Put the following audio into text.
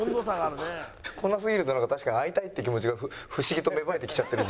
来なすぎると確かに会いたいって気持ちが不思議と芽生えてきちゃってる